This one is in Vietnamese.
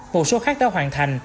một số khác đã hoàn thành